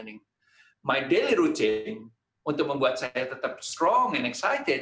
routine sehari hari saya untuk membuat saya tetap kuat dan teruja